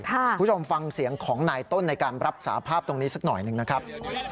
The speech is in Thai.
คุณผู้ชมฟังเสียงของนายต้นในการรับสาภาพตรงนี้สักหน่อยหนึ่งนะครับ